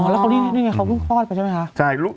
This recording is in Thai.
แลตัวนี้เค้าเพิ่งคอยกันใช่มั้ยคะ